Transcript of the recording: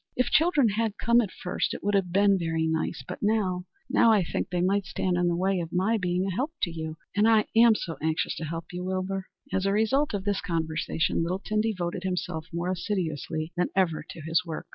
"If children had come at first, it would have been very nice. But now now I think they might stand in the way of my being of help to you. And I am so anxious to help you, Wilbur." As a result of this conversation Littleton devoted himself more assiduously than ever to his work.